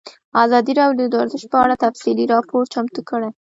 ازادي راډیو د ورزش په اړه تفصیلي راپور چمتو کړی.